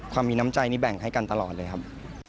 มีน้ำใจนี่แบ่งให้กันตลอดเลยครับ